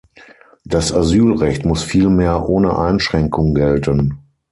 Das Asylrecht muss vielmehr ohne Einschränkung gelten.